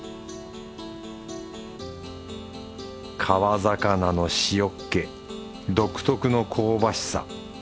川魚の塩っけ独特の香ばしさ。